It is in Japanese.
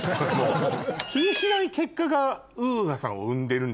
気にしない結果がＵＡさんを生んでるんだから。